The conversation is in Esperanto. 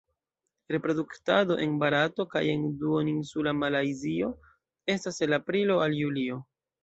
Reproduktado en Barato kaj en Duoninsula Malajzio estas el aprilo al julio.